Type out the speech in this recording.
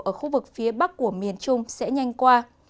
ở khu vực phía bắc của miền trung sẽ nhanh qua